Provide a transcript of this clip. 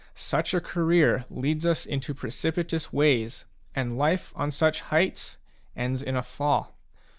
Such a career leads us into precipitous ways, and life on such heights ends in a fall.